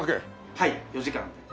はい４時間。